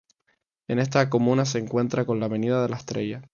En esta comuna se encuentra con la Avenida La Estrella.